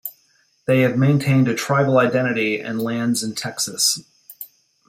They have maintained a tribal identity and lands in Texas.